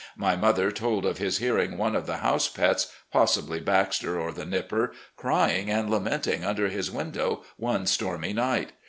My mother told of his hearing one of the house pets, possibly Baxter or the Nipper, caying and lamenting under his window one stormy night.